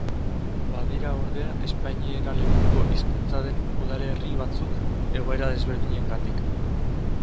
Badira, ordea, espainiera lekuko hizkuntza den udalerri batzuk, egoera desberdinengatik.